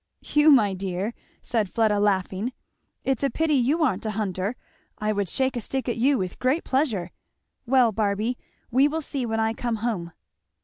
"Hugh, my dear," said Fleda laughing, "it's a pity you aren't a hunter I would shake a stick at you with great pleasure. Well, Barby, we will see when I come home."